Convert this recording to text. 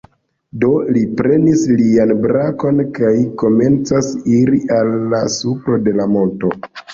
Do li prenis lian brakon kaj komencas iri al la supro de la monto.